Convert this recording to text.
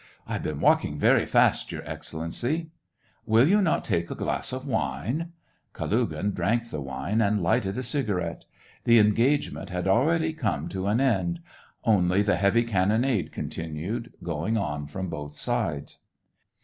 "I have been walking very fast, Your Excel lency !"" Will you not take a glass of wine t " Kalugin drank the wine, and lighted a cigar ette. The engagement had already come to an end ; only the heavy cannonade continued, going on from both sides.